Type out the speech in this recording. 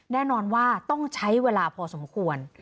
แน่นอนว่าต้องใช้เวลาพอสมควร